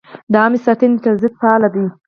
د عامه ساتنې تصدۍ فعال ده؟